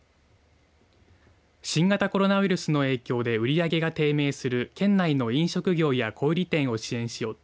新型コロナウイルスの影響で売り上げが低迷する県内の飲食業や小売店を支援しようと